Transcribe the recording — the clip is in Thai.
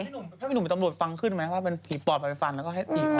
ถ้าพี่หนุ่มเป็นตำรวจฟังขึ้นไหมว่าเป็นผีปอดไปฟันแล้วก็ให้อีก